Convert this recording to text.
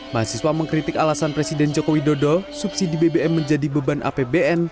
mahasiswa mengkritik alasan presiden joko widodo subsidi bbm menjadi beban apbn